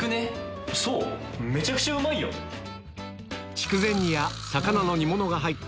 筑前煮や魚の煮物が入った